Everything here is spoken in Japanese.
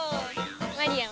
マリアも。